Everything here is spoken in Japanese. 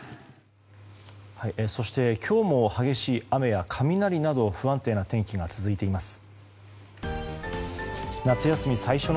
そして、今日も激しい雨や雷など不安定な天気が続いています。